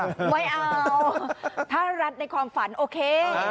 ว้าวถ้าลัดในความฝันโอเค